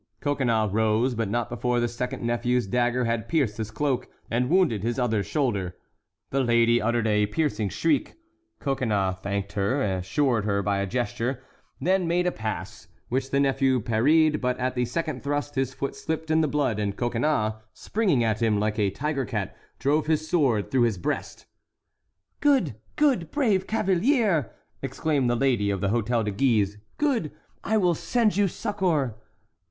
Coconnas rose, but not before the second nephew's dagger had pierced his cloak, and wounded his other shoulder. The lady uttered a piercing shriek. Coconnas thanked her, assured her by a gesture, and then made a pass, which the nephew parried; but at the second thrust, his foot slipped in the blood, and Coconnas, springing at him like a tiger cat, drove his sword through his breast. "Good! good! brave cavalier!" exclaimed the lady of the Hôtel de Guise, "good! I will send you succor."